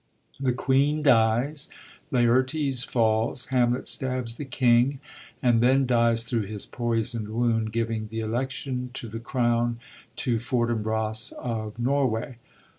The qneen dies ; Laertes falls ; Hamlet stabs the king, and then dies thru his poisond wound, giving the election to the crown to Fortinbras of Norway.